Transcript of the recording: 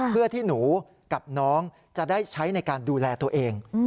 เพื่อที่หนูกับน้องจะได้ใช้ในการดูแลตัวเอง